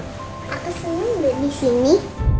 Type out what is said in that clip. aku seneng udah disini